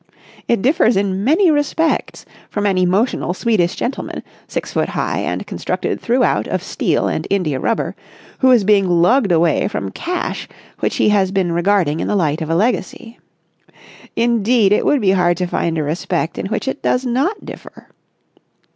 It differs in many respects from an emotional Swedish gentleman, six foot high and constructed throughout of steel and india rubber, who is being lugged away from cash which he has been regarding in the light of a legacy. Indeed, it would be hard to find a respect in which it does not differ.